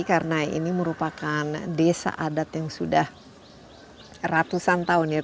karena ini merupakan desa adat yang sudah ratusan tahun ya